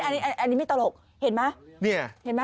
อันนี้ไม่ตลกเห็นไหม